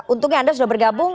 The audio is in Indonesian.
untungnya anda sudah bergabung